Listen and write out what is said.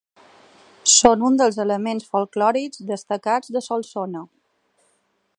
Són un dels elements folklòrics destacats de Solsona.